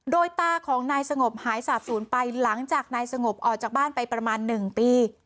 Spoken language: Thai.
โดยตาของนายสงบหายสาบศูนย์ไปหลังจากนายสงบออกจากบ้านไปประมาณ๑ปี